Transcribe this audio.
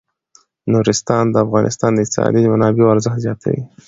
نورستان د افغانستان د اقتصادي منابعو ارزښت زیاتوي.